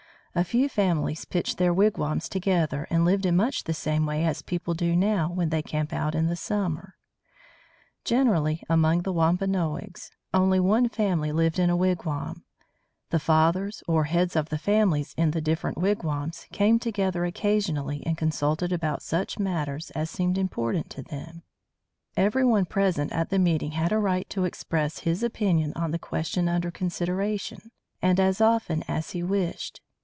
A few families pitched their wigwams together and lived in much the same way as people do now when they camp out in the summer. Generally, among the Wampanoags, only one family lived in a wigwam. The fathers, or heads of the families in the different wigwams, came together occasionally and consulted about such matters as seemed important to them. [Illustration: WIGWAMS] Every one present at the meeting had a right to express his opinion on the question under consideration, and as often as he wished.